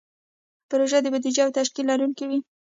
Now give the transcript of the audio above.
پروژه د بودیجې او تشکیل لرونکې وي.